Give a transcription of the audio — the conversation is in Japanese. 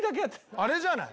あれじゃない？